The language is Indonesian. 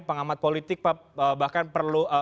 pengamat politik bahkan perlu